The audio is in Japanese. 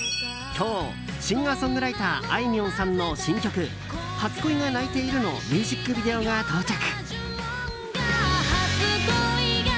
今日、シンガーソングライターあいみょんさんの新曲「初恋が泣いている」のミュージックビデオが到着。